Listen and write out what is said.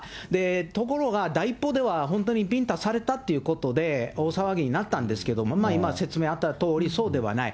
ところが第一報では、ビンタされたということで大騒ぎになったんですけれども、今、説明あったとおり、そうではない。